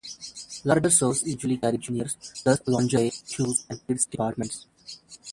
Larger stores usually carry juniors, plus, lingerie, shoes and kids departments.